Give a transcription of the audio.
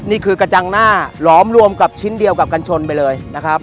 นี่คือกระจังหน้าหลอมรวมกับชิ้นเดียวกับกัญชนไปเลยนะครับ